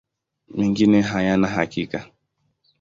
Mengine hayana hakika.